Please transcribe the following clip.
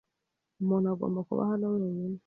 Umuntu agomba kuba hano wenyine .